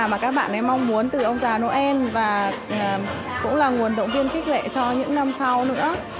mà các bạn ấy mong muốn từ ông già noel và cũng là nguồn động viên khích lệ cho những năm sau nữa